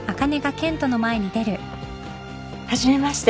初めまして。